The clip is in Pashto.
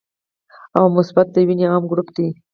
او مثبت د وینې عام ګروپ دی